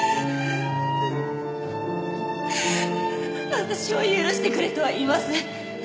私を許してくれとは言いません。